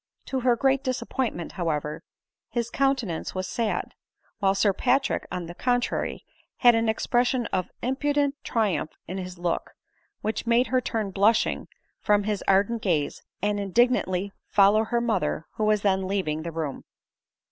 To her great disappointment, however, his coun tenance was sad ; while Sir Patrick, on the contrary, had an expression of impudent triumph in his look, which made her turn blusijing from his ardent gaze, and indig 4 34 ADELINE MOWBRAY. nantly follow her mother, who was then leaving the room.